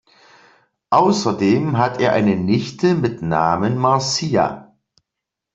Außerdem hat er eine Nichte mit Namen Marcia.